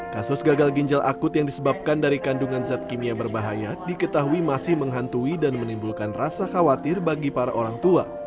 kasus gagal ginjal akut yang disebabkan dari kandungan zat kimia berbahaya diketahui masih menghantui dan menimbulkan rasa khawatir bagi para orang tua